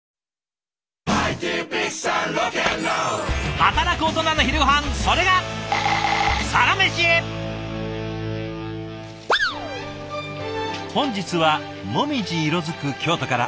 働くオトナの昼ごはんそれが本日は紅葉色づく京都から。